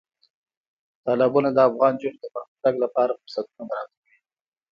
تالابونه د افغان نجونو د پرمختګ لپاره فرصتونه برابروي.